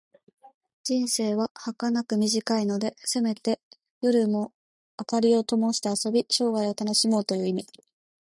人生ははかなく短いので、せめて夜も灯をともして遊び、生涯を楽しもうという意味。